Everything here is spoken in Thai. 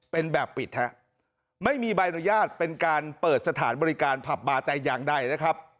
เป็นแบบปิดฮะไม่มีใบอนุญาตเป็นการเปิดสถานบริการผับบาร์แต่อย่างใดนะครับ